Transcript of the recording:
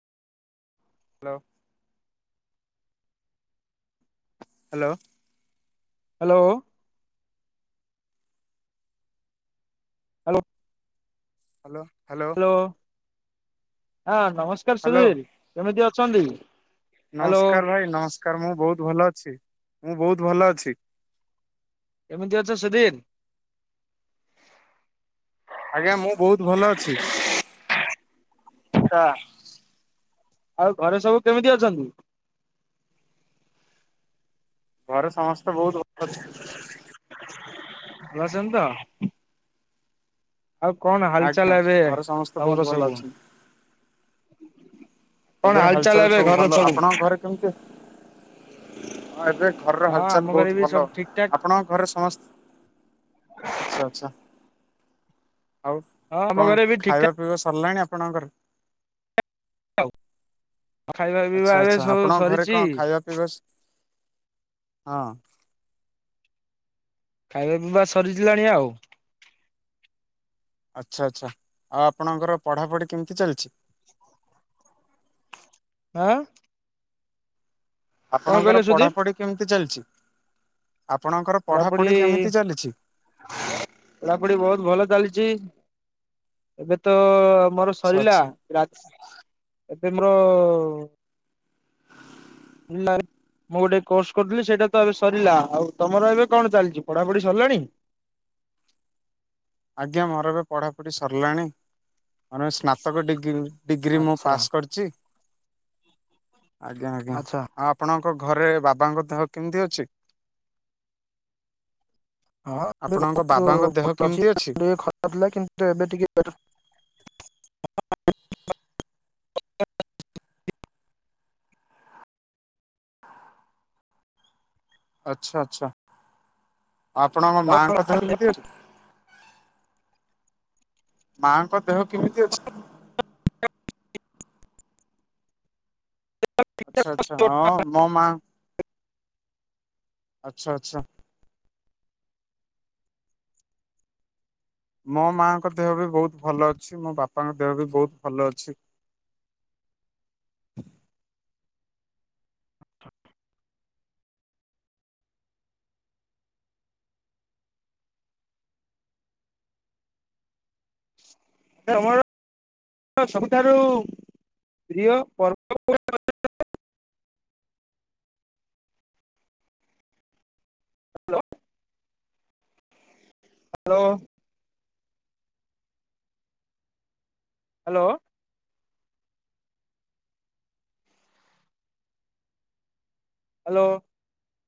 Hello. Hello. Hello. Hello. Hello hello. ହଁ ନମସ୍କାର hello Sudhir କେମିତି ଅଛନ୍ତି? ହ୍ୟାଲୋ ନମସ୍କାର ଭାଇ ନମସ୍କାର ମୁଁ ବହୁତ ଭଲ ଅଛି ମୁଁ ବହୁତ ଭଲ ଅଛି। ଏମତି ଅଛ ସୁଧୀିନ? ଆଜ୍ଞା ମୁଁ ବହୁତ ଭଲ ଅଛି। ଛା ଆଉ ଘରେ ସବୁ କେମିତି ଅଛନ୍ତି? ଘରେ ସମସ୍ତେ ବହୁତ ଭଲ ଅଛନ୍ତି। ରଛନ୍ତି ତ [unintelligible] ଆଉ କଣ ଆଜ୍ଞା ହାଲଚାଲ ଏବେ ଘରେ ସମସ୍ତେ ବହୁତ ତମର ଭଲ ସବୁ? ଅଛନ୍ତି କଣ ଏବେ ହାଲଚାଲ ଏବେ ସବୁ ଘର ଭଲ ଆପଣଙ୍କ ଘରେ କେମିତି ହଁ ଏବେ ଘରର ହଁ ଆମ ହାଲଚାଲ ଘରେ ବହୁତ ବି ଭଲ ସବୁ ଠିକ ଠାକ ଆପଣଙ୍କ ଘରେରେ ସମସ୍ତେ ଆଛା ଆଛା ଆଉ ହଁ ଆମ କଣ ଘରେ ବି ଠିକ ଠାକ ଖାଇବାକୁ ସରିଲାଣି ଆପଣଙ୍କର। ଆଉ ଖାଇବା ପିଇବା ଆଚ୍ଛା ଏବେ ଆଚ୍ଛା ସବୁ ଆପଣଙ୍କ ଘରେ ସରିଛି କଣ ଖାଇବା ପିଇବା ହଁ। ଖାଇବା ପିଇବା ସରିିଲାଣି ଆଉ। ଆଚ୍ଛା ଆଚ୍ଛା ଆଉ ଆପଣଙ୍କର ପଢାପଢି କେମିତି ଚାଲିଛି। ଆଁ। କଣ ଆପଣଙ୍କର କହିଲେ ସୁଧୀର ପଢାପଢି କେମତି ଚାଲିଛି? ଆପଣଙ୍କର ପଢାପଢି କେମିତି ଚାଲିଛି? ପଢାପଢି ବହୁତ ଭଲ ଚାଲିଛି ଏବେ ତ ମୋର ଆଚ୍ଛା ସରିଲା ଆଚ୍ଛା ରାତ୍ସ୍ ଏବେ ମୋର ନାଁରେ ମୁଁ ଗୋଟେ କୋର୍ସ କରୁଥିଲି ସେଇଟା ତ ଏବେ ସରିଲା ଆଉ ତମର ଏବେ କଣ ଚାଲିଛି ପଢାପଢି ସରିଲାଣି? ଆଜ୍ଞା ମୋର ଏବେ ପଢ଼ାପଢ଼ି ସରିଲାଣି ମୋର ଏ ସ୍ନାତକ ଡିଗ୍ରୀ ଡିଗ୍ରୀ ମୁଁ ଆଚ୍ଛା ପାସ୍ କରିଛି ଆଜ୍ଞା ଆଜ୍ଞା ଆଚ୍ଛା ଆଉ ଆପଣଙ୍କ ଘରେ ବାବାଙ୍କ ଦେହ କେମିତି ଅଛି? ହଁ ଏବେ ଆପଣଙ୍କ ବହୁତ ବାବାଙ୍କ ଦେହ ଭଲ ଅଛି କେମତି ଅ ଟିକେ ଖରାପ ଥିଲା କିନ୍ତୁ ଏବେ ଟିକେ [unintelligible] ଆଚ୍ଛା ଆଚ୍ଛା ଆଉ ଆପଣଙ୍କ ମାଆଙ୍କ ଦେହ କେମତି ଅ ମାଆଙ୍କ ଦେହ କେମିତି ଅଛି? ଆଚ୍ଛା ଆଚ୍ଛା ହଁ ମୋ ମା ଆଚ୍ଛା ଆଚ୍ଛା। ମୋ ମାଆଙ୍କ ଦେହ ବି ବହୁତ ଭଲ ଅଛି ମୋ ବାପାଙ୍କ ଦେହ ବି ବହୁତ ଭଲ ଅଛି। ଏ ଆମର ସବୁଠାରୁ ପ୍ରିୟ ପର୍ବ [unintelligible] ହ୍ୟାଲୋ ହ୍ୟାଲୋ। ହ୍ୟାଲୋ। ହ୍ୟାଲୋ।